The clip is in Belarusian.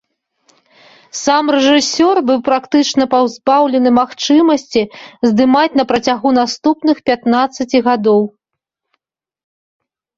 Сам рэжысёр быў практычна пазбаўлены магчымасці здымаць на працягу наступных пятнаццаці гадоў.